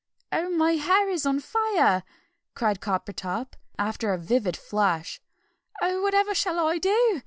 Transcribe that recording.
"Oh, my hair is on fire!" cried Coppertop, after a vivid flash. "Oh, whatever shall I do?